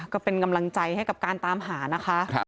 ก็เป็นกำลังใจให้กับการตามหานะคะ